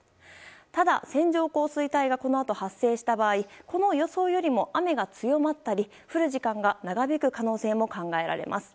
ただ、線状降水帯がこのあと発生した場合この予想より雨が強まったり降る時間が長引く可能性も考えられます。